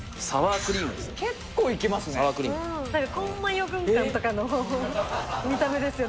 コーンマヨ軍艦とかの見た目ですよね